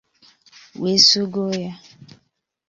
we sugọọ ya